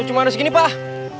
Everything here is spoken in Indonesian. lo cuma harus gini pak